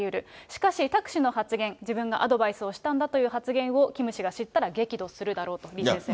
しかし、タク氏の発言、自分がアドバイスをしたんだという発言をキム氏が知ったら激怒するだろうと、李先生。